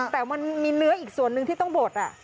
แต่มันมีเนื้ออีกส่วนหนึ่งที่ต้องบด